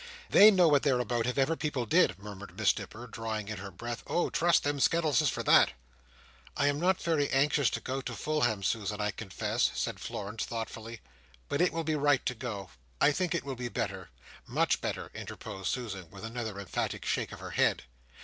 "They know what they're about, if ever people did," murmured Miss Nipper, drawing in her breath "oh! trust them Skettleses for that!" "I am not very anxious to go to Fulham, Susan, I confess," said Florence thoughtfully: "but it will be right to go. I think it will be better." "Much better," interposed Susan, with another emphatic shake of her head.